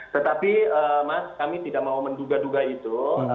tetapi mas kami tidak mau menduga duga itu